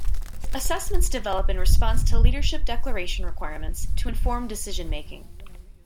Assessments develop in response to leadership declaration requirements to inform decision making.